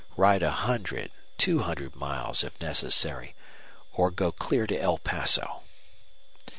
Ride a hundred, two hundred miles, if necessary, or go clear to El Paso."